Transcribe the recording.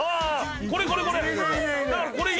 これこれこれ。